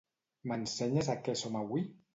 M'ensenyes a què som avui?